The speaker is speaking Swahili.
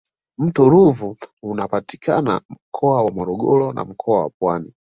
mto ruvu unapatikana mkoa wa morogoro na mkoa wa pwani